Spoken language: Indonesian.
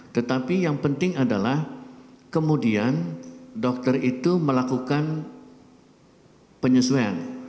tetapi yang penting adalah kemudian dokter itu melakukan penyesuaian